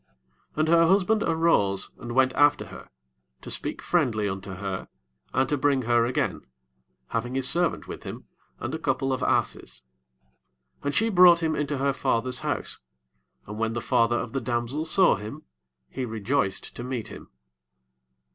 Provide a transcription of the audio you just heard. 3 And her husband arose, and went after her, to speak friendly unto her, and to bring her again, having his servant with him, and a couple of asses: and she brought him into her father's house; and when the father of the damsel saw him, he rejoiced to meet him.